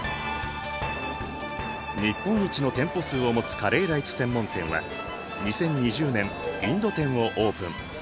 日本一の店舗数を持つカレーライス専門店は２０２０年インド店をオープン。